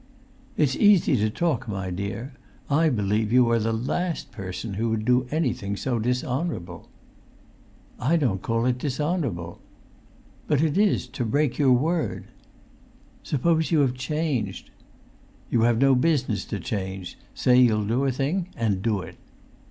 "It's easy to talk, my dear! I believe you are the last person who would do anything so dishonourable." "I don't call it dishonourable." "But it is, to break your word." [Pg 356]"Suppose you have changed?" "You have no business to change. Say you'll do a thing, and do it."